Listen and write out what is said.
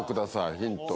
ヒント。